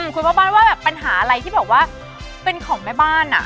คุณแม่บ้านว่าแบบปัญหาอะไรที่แบบว่าเป็นของแม่บ้าน